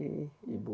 doa kepada ibu